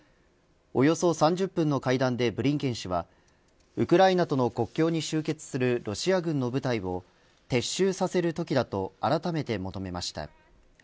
およそ３０分の会談でブリンケン氏はウクライナとの国境に集結するロシア軍の部隊を撤収させるときだとあらためて求めました。